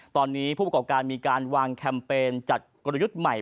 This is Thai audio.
ตอนนี้ผู้ประกอบการมีการวางแคมเปญจัดกลยุทธ์ใหม่